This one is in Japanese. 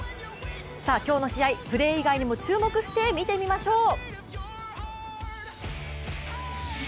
今日の試合、プレー以外にも注目して見てみましょう。